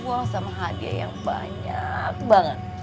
buang sama hadiah yang banyak banget